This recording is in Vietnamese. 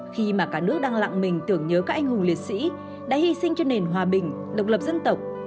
khi mà cả nước đang lặng mình tưởng nhớ các anh hùng liệt sĩ đã hy sinh cho nền hòa bình độc lập dân tộc